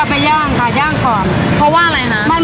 พริกไทย